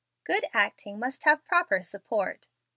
Good acting must have proper support.